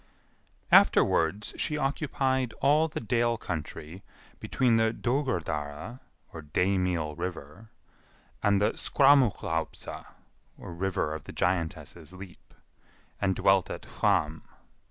Afterwards she occupied all the Dale country between the Dogurdara (day meal river) and the Skraumuhlaupsa (river of the giantess's leap), and dwelt at Hvamm.